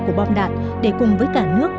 của bom đạn để cùng với cả nước